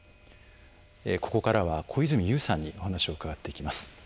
ここからは小泉悠さんにお話を伺っていきます。